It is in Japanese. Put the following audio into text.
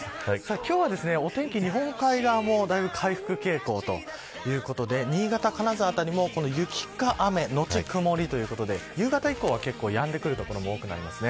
今日はお天気、日本海側もだいぶ回復傾向ということで新潟、金沢辺りも雪か雨後、曇りということで夕方以降は、やんでくる所も多くなります。